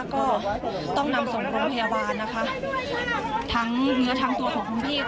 ก็นำส่งโรงพยาบาลเลยนะคะ